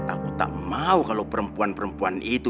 aku tak mau kalau perempuan perempuan itu